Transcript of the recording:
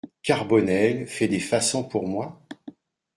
Carbonel fait des façons pour moi ?